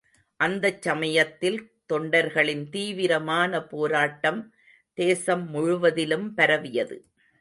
அந்தச் சமயத்தில் தொண்டர்களின் தீவிரமான போராட்டம் தேசம் முழுவதிலும் பரவியது.